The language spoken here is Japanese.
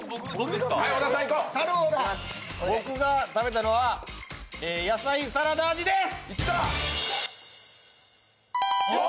ボクが食べたのはやさいサラダ味です！